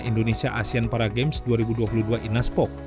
indonesia asean para games dua ribu dua puluh dua inaspok